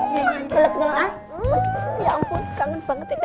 ya ampun kangen banget ya